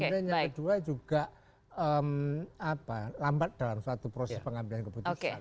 kemudian yang kedua juga lambat dalam suatu proses pengambilan keputusan